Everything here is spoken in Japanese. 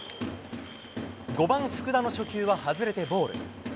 ５番福田の初球は外れてボール。